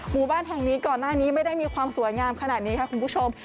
หมู่บ้านแห่งนี้ก่อนหน้านี้ไม่ได้มีความสวยงามขนาดนี้ค่ะคุณผู้ชม